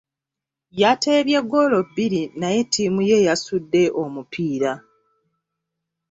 Yateebye ggoolo bbiri naye ttiimu ye yasudde omupiira.